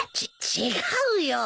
ち違うよ。